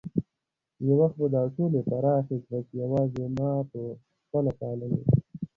یو وخت به دا ټولې پراخې ځمکې یوازې ما په خپله پاللې.